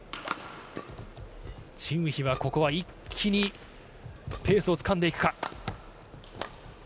チン・ウヒはここは一気にペースを掴んでいくか。